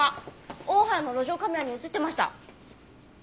大原の路上カメラに映ってました。